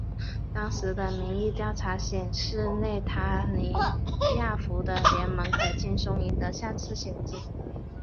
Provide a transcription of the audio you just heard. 当时的民意调查显示内塔尼亚胡的联盟可轻松赢得下次选举。